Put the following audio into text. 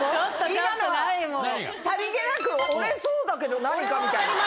今のは、さりげなく、俺、そうだけど何かみたいな。